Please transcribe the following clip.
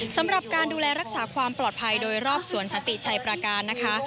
สำหรับการดูแลรักษาความปลอดภัยโดยรอบสวนสันติชัยประการนะคะ